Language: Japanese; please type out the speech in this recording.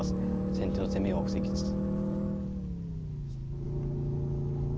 先手の攻めを防ぎつつ。